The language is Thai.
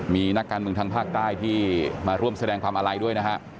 มีนักการมือทางภาคใต้ที่มาร่วมแสดงความอลัย